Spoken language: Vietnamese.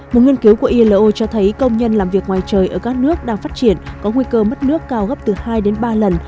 một nghiên cứu của ilo cho thấy công nhân làm việc ngoài trời ở các nước đang phát triển có nguy cơ mất nước cao gấp từ hai đến ba lần